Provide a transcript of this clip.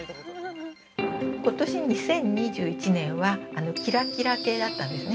◆今年２０２１年は、キラキラ系だったんですね。